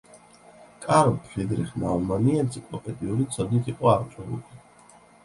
კარლ ფრიდრიხ ნაუმანი ენციკლოპედიური ცოდნით იყო აღჭურვილი.